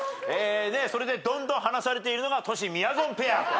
それでどんどん離されているのがトシ・みやぞんペアと。